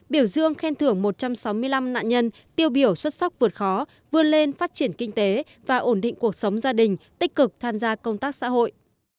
biểu dương khen thưởng một trăm sáu mươi năm nạn nhân tiêu biểu xuất sắc vượt khó vươn lên phát triển kinh tế và ổn định cuộc sống gia đình tích cực tham gia công tác xã hội